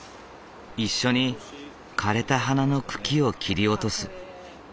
一緒に枯れた花の茎を切り落とす。